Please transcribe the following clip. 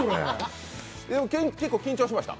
結構、緊張しました？